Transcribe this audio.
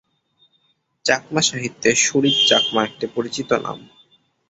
চাকমা সাহিত্যে সুহৃদ চাকমা একটি পরিচিত নাম।